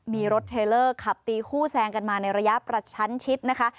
มีรถเทลเลอร์ขับตีคู่แซงกันมาในระยะประชันชิดนะคะ